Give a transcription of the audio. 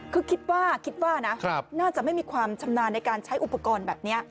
คือคิดว่าคิดว่านะน่าจะไม่มีความชำนาญในการใช้อุปกรณ์แบบนี้